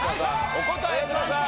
お答えください。